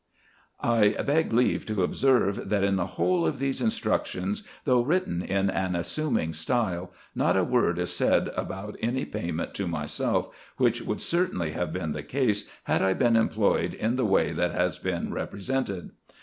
I beg leave to observe, that in the whole of these instructions, though written in an assuming style, not a word is said about any payment to myself, wliich would certainly have been the case, had I been employed in the way that has been represented.